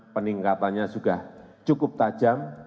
peningkatannya sudah cukup tajam